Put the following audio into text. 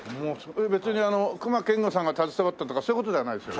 別にあの隈研吾さんが携わったとかそういう事ではないですよね？